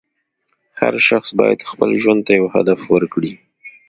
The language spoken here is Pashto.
هر شخص باید خپل ژوند ته یو هدف ورکړي.